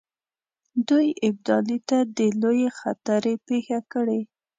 دوی ابدالي ته د لویې خطرې پېښه کړي.